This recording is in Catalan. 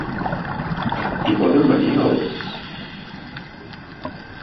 Hi poden venir els...?